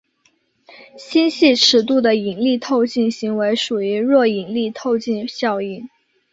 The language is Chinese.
星系尺度的引力透镜行为属于弱引力透镜效应。